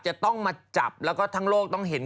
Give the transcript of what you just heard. จะต้องมาจับแล้วก็ทั้งโลกต้องเห็น